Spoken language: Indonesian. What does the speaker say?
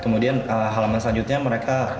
kemudian halaman selanjutnya mereka